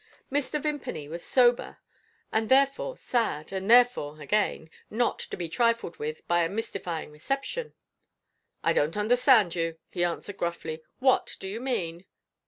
Mr. Vimpany was sober, and therefore sad, and therefore (again) not to be trifled with by a mystifying reception. "I don't understand you," he answered gruffly. "What do you mean?"